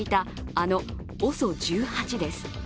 あのＯＳＯ１８です。